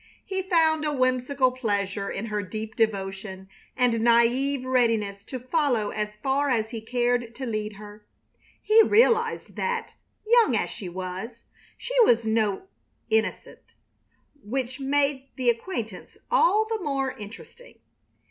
He found a whimsical pleasure in her deep devotion and naïve readiness to follow as far as he cared to lead her. He realized that, young as she was, she was no innocent, which made the acquaintance all the more interesting.